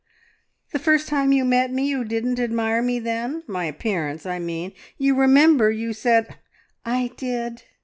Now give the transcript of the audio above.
"The first time you met me you didn't admire me then! My appearance, I mean! You remember you said " "I did.